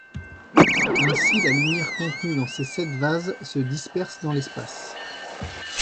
Ainsi la lumière contenue dans ces sept vases se disperse dans l’espace.